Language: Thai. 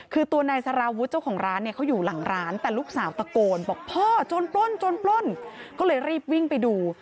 คือตัวนายสารวุฒิเจ้าของร้านเนี่ยเขาอยู่หลังร้านแต่ลูกสาวตะโกนบอกพ่อจนปล้นจนปล้นก็เลยรีบวิ่งไปดู